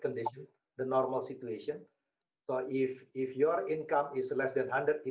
untuk membeli tanaman untuk membeli ikan betta